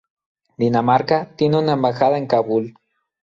Dinamarca tiene una embajada en Kabul.